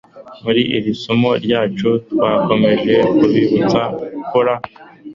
Muri iri somo ryacu twakomeje kubibutsa gukora